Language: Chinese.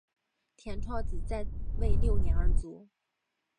田悼子在位六年而卒。